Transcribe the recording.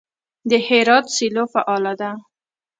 د هرات سیلو فعاله ده.